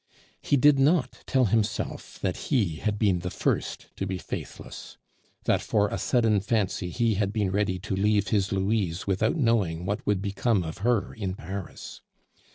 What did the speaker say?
He did not tell himself that he had been the first to be faithless; that for a sudden fancy he had been ready to leave his Louise without knowing what would become of her in Paris.